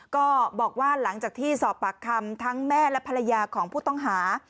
ก็บอกว่าหลังจากที่สอบปากคำทั้งแม่และภรรยาของผู้ต้องหา